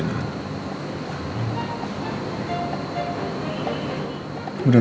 nanti seorang telat